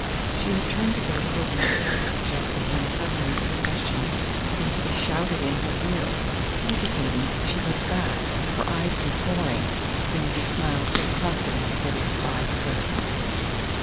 She had turned to go to her room as he suggested when suddenly this question seemed to be shouted in her ear. Hesitating, she looked back, her eyes imploring, to meet a smile so confident that it defied fate.